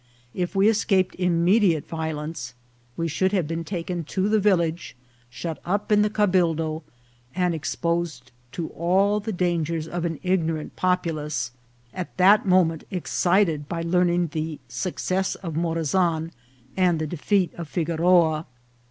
If we escaped immediate violence, we should have been taken to the village, shut up in the cabildo, and exposed to all the dangers of an ignorant populace, at that moment excited by learning the suc cess of Morazan and the defeat of Figoroa.